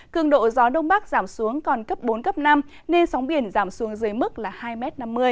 cường độ gió đông bắc giảm xuống còn cấp bốn cấp năm nên sóng biển giảm xuống dưới mức là hai năm mươi m